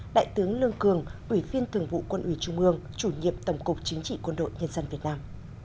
đại tướng lương cường ủy viên thường vụ quân ủy trung ương chủ nhiệm tổng cục chính trị quân đội nhân dân việt nam